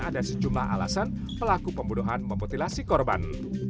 ada sejumlah alasan pelaku pembunuhan memutilasi korban